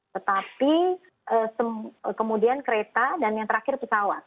tetapi kemudian kereta dan yang terakhir pesawat